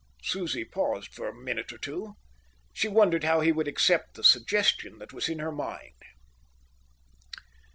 Susie paused for a minute or two. She wondered how he would accept the suggestion that was in her mind.